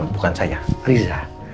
bukan saya rija